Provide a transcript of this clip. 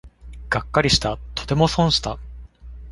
がっかりした、とても損した